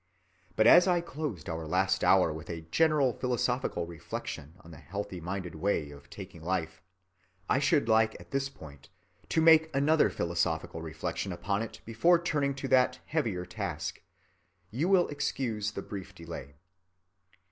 But as I closed our last hour with a general philosophical reflection on the healthy‐minded way of taking life, I should like at this point to make another philosophical reflection upon it before turning to that heavier task. You will excuse the brief delay.